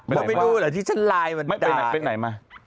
บอกไม่รู้เหรอที่ฉันไลน์มันได้ไปไหนมา